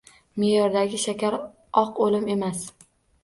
Me’yordagi shakar “oq o‘lim” emas